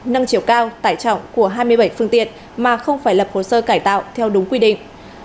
nâng chiều cao tải trọng của hai mươi bảy phương tiện mà không phải lập hồ sơ cải tạo theo đúng quy định